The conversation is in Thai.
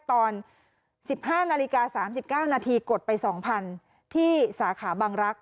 ตอน๑๕นาฬิกา๓๙นาทีกดไป๒๐๐๐ที่สาขาบังรักษ